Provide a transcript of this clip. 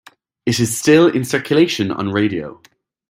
It is still in circulation on radio.